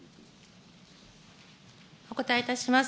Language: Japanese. お答えいたします。